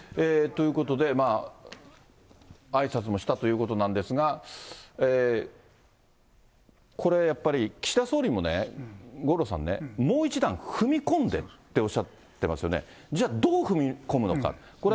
ということで、あいさつもしたということなんですが、これはやっぱり、岸田総理もね、五郎さんね、もう一段踏み込んでっておっしゃってますよね。